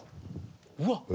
うわっ！